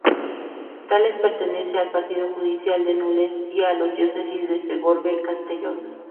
Tales pertenece al partido judicial de Nules y a la Diócesis de Segorbe-Castellón.